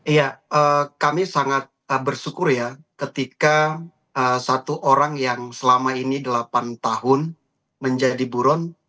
iya kami sangat bersyukur ya ketika satu orang yang selama ini delapan tahun menjadi buron